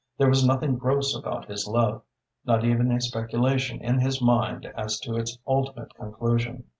There was nothing gross about his love, not even a speculation in his mind as to its ultimate conclusion.